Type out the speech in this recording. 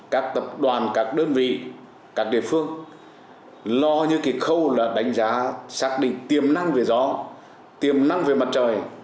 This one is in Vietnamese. các tập đoàn các đơn vị các địa phương lo như cái khâu là đánh giá xác định tiềm năng về gió tiềm năng về mặt trời